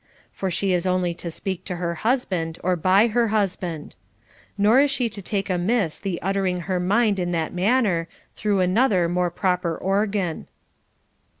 For she is only to speak to her husband, or by her husband. Nor is she to take amiss the uttering her mind in that manner, through another more proper organ.